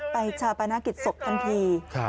ชาปนกิจศพทันที